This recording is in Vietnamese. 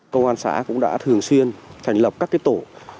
công an xã cũng đã thường xuyên thành lập các tổ